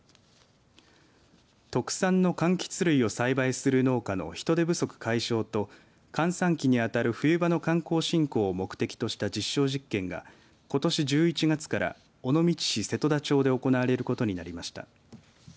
特産のかんきつ類を栽培する農家の人手不足解消と閑散期にあたる冬場の観光振興を目的とした実証実験がことし１１月から尾道市瀬戸田町で行われることになりました。